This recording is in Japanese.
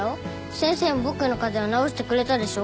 先生も僕の風邪を治してくれたでしょ。